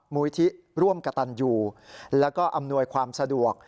มูลิธิร่วมกระตันอยู่แล้วก็อำนวยความสะดวก